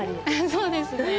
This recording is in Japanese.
そうですね。